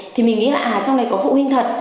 thì mình nghĩ là trong này có phụ huynh thật